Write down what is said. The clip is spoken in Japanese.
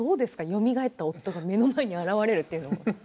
よみがえった夫が目の前に現れるというのは。